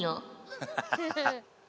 ハハハハハ。